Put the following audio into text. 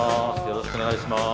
よろしくお願いします。